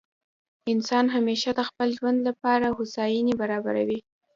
انسان همېشه د خپل ژوند له پاره هوسایني برابروي.